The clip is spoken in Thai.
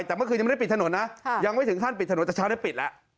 แต่เมื่อคืนยังไม่ได้ปิดถนนนะยังไม่ถึงขั้นปิดถนนแต่เช้าได้ปิดแล้ว